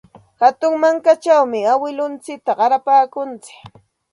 Hatun wankachawmi awkilluntsikta qarapaakuntsik.